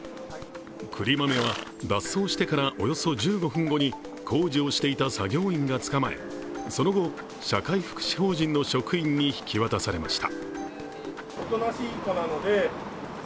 くりまめは脱走してからおよそ１５分後に工事をしていた作業員が捕まえその後、社会福祉法人の職員に引き渡されました。